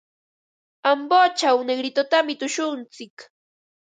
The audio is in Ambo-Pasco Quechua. Ambochaw Negritotami tushuntsik.